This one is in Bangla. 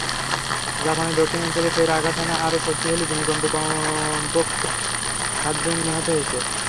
জাপানের দক্ষিণাঞ্চলে ফের আঘাত হানা আরও শক্তিশালী ভূমিকম্পে কমপক্ষে সাতজন নিহত হয়েছে।